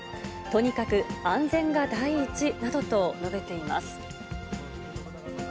とにかく安全が第一などと述べています。